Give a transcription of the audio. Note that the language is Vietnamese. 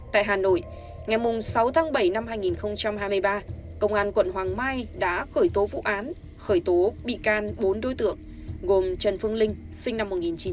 tại hà nội ngày sáu tháng bảy năm hai nghìn hai mươi ba công an quận hoàng mai đã khởi tố vụ án khởi tố bị can bốn đối tượng gồm trần phương linh sinh năm một nghìn chín trăm tám mươi